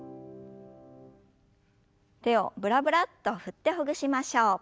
手をブラブラッと振ってほぐしましょう。